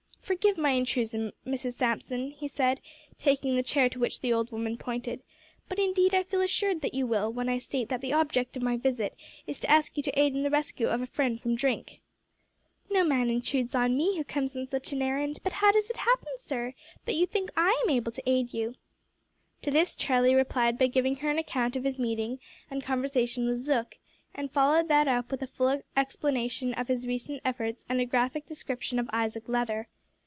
"Forgive my intrusion, Mrs Samson," he said, taking the chair to which the old woman pointed, "but, indeed, I feel assured that you will, when I state that the object of my visit is to ask you to aid in the rescue of a friend from drink." "No man intrudes on me who comes on such an errand; but how does it happen, sir, that you think I am able to aid you?" To this Charlie replied by giving her an account of his meeting and conversation with Zook, and followed that up with a full explanation of his recent efforts and a graphic description of Isaac Leather.